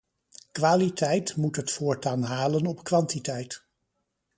Kwaliteit moet het voortaan halen op kwantiteit.